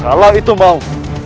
kalau itu mau